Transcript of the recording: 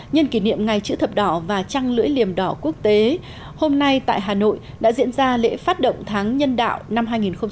nhân kỷ niệm ngày chữ thập đỏ và trăng lưỡi liềm đỏ quốc tế hôm nay tại hà nội đã diễn ra lễ phát động tháng nhân đạo năm hai nghìn hai mươi